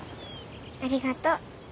ありがとう。